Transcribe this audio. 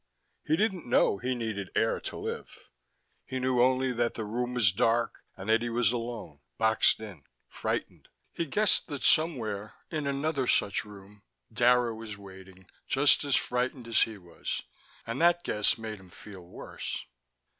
He didn't know he needed air to live: he knew only that the room was dark and that he was alone, boxed in, frightened. He guessed that somewhere, in another such room, Dara was waiting, just as frightened as he was, and that guess made him feel worse.